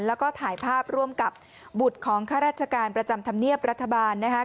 แล้วก็ถ่ายภาพร่วมกับบุตรของข้าราชการประจำธรรมเนียบรัฐบาลนะคะ